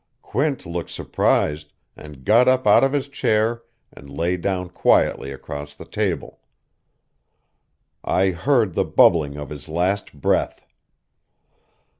Quint looked surprised, and got up out of his chair and lay down quietly across the table. I heard the bubbling of his last breath....